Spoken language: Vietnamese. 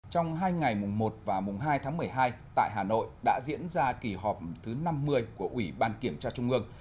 trong hai ngày mùng một và mùng hai tháng một mươi hai tại hà nội đã diễn ra kỳ họp thứ năm mươi của ủy ban kiểm tra trung ương